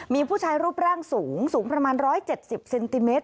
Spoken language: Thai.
มีผู้ชายรูปร่างสูงสูงประมาณ๑๗๐เซนติเมตร